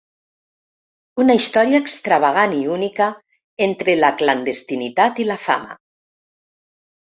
Una història extravagant i única, entre la clandestinitat i la fama.